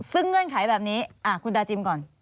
ซึ่งเงื่อนไขแบบนี้คุณตาจิมก่อน